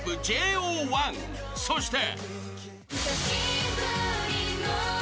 ［そして］